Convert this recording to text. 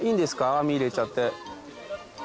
網入れちゃって。